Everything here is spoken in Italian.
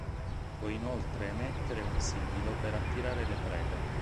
Può inoltre emettere un sibilo per attirare le prede.